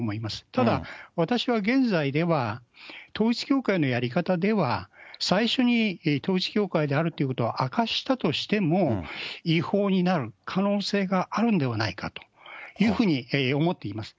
ただ、私は現在では、統一教会のやり方では、最初に統一教会であるってことは明かしたとしても、違法になる可能性があるんではないかというふうに思っています。